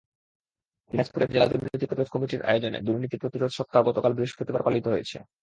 দিনাজপুরে জেলা দুর্নীতি প্রতিরোধ কমিটির আয়োজনে দুর্নীতি প্রতিরোধ সপ্তাহ গতকাল বৃহস্পতিবার পালিত হয়েছে।